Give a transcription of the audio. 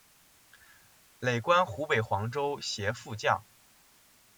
累官湖北黄州协副将。